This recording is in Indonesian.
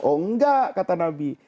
oh enggak kata nabi